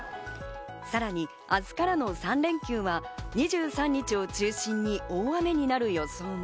さらに明日からの３連休は２３日を中心に大雨になる予想。